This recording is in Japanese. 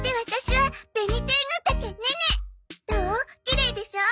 きれいでしょ？